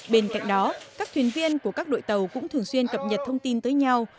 bên cạnh đó các thuyền viên của các đội tàu cũng thường xuyên cập nhật thông tin tới nhau